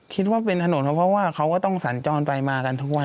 คิดว่าเป็นถนนเพราะว่าเขาก็ต้องสัญจรไปมากันทุกวัน